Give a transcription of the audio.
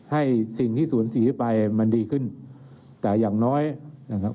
ให้สิ่งที่สูญเสียไปมันดีขึ้นแต่อย่างน้อยนะครับ